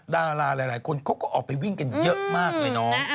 ดาราหลายคนเขาก็ออกไปวิ่งกันเยอะมากเลยน้อง